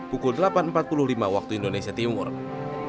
pesawat ditemukan tim sargabungan pada minggu depan